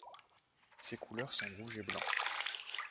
Ses couleurs sont Rouge et Blanc.